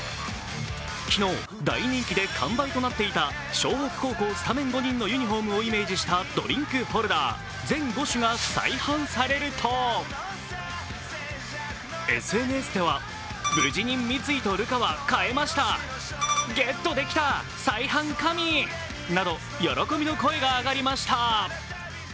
昨日、大人気で完売となっていた湘北高校スタメン５人のユニフォームをイメージしたドリンクホルダー全５種が再販されるとＳＮＳでは、喜びの声が上がりました。